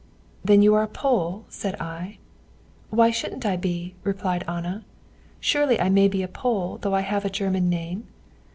"'Then you are a Pole?' said I. "'Why shouldn't I be?' replied Anna. 'Surely I may be a Pole though I have a German name?